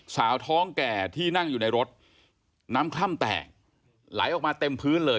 สาวท้องแก่ที่นั่งอยู่ในรถน้ำคล่ำแตกไหลออกมาเต็มพื้นเลย